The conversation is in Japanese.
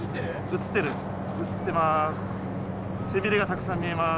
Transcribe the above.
映ってます。